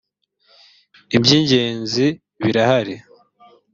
ibyingenzi birahari.